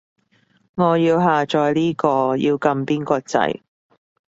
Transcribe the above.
我要下載呢個，要撳邊個掣